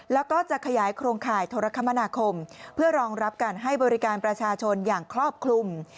แล้วก็จะขยายโครงข่ายโทรคมนาคมเพื่อรองรับการให้บริการประชาชนอย่างครอบคลุม